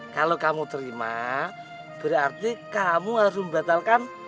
kalau kamu terima berarti kamu harus membatalkan